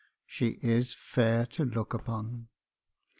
She is fair to look upon."